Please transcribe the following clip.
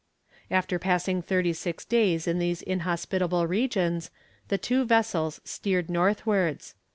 After passing thirty six days in these inhospitable regions the two vessels steered northwards.